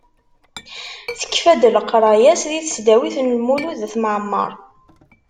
Tekfa-d leqraya-s di tesdawit n Lmulud At Mɛemmer.